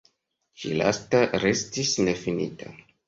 Ĉi lasta restis nefinita.